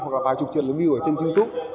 hoặc là vài chục triệu lượt view ở trên youtube